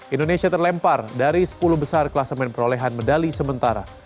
indonesia terlempar dari sepuluh besar kelasemen perolehan medali sementara